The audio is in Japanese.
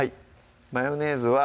マヨネーズは？